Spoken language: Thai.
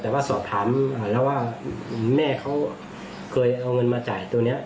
แต่ว่าสอบถามแล้วว่าแม่เขาเคยเอาเงินมาจ่ายตัวนี้